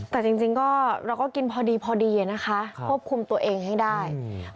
แต่จริงก็เราก็กินพอดีพอดีนะคะควบคุมตัวเองให้ได้